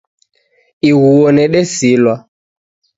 Ighuo nedesilwa